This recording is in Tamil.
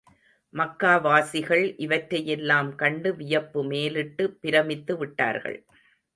மக்கா வாசிகள், இவற்றையெல்லாம் கண்டு வியப்பு மேலிட்டு, பிரமித்து விட்டார்கள்.